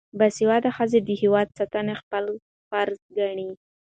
باسواده ښځې د هیواد ساتنه خپل فرض ګڼي.